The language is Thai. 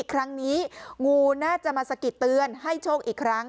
ครั้งนี้งูน่าจะมาสะกิดเตือนให้โชคอีกครั้ง